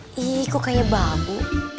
ih kok kayak babu